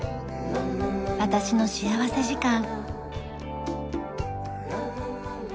『私の幸福時間』。